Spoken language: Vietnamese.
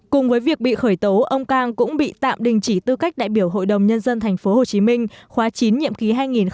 cùng với việc bị khởi tố ông cang cũng bị tạm đình chỉ tư cách đại biểu hội đồng nhân dân tp hcm khóa chín nhiệm ký hai nghìn một mươi sáu hai nghìn hai mươi một